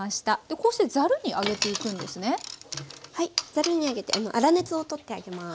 ざるに上げて粗熱を取ってあげます。